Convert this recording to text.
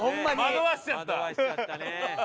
惑わせちゃったね。